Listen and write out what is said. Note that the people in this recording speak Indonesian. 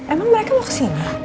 emang mereka mau ke sini